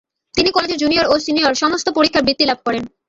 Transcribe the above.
তিনি কলেজের জুনিয়র ও সিনিয়র সমস্ত পরীক্ষায় বৃত্তি লাভ করেন।